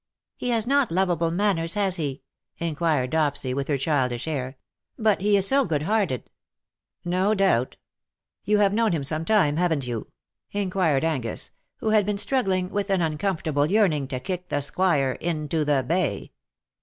" He has not lovable manners,, has he T* inquired Dopsy, with her childish air; "but he is so good hearted.^^ " No doubt. You have known him some time^ haven^t you?^^ inquired Angus, who had been struggling with an uncomfortable yearning to kick the Squire into the Bay.